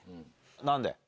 何で？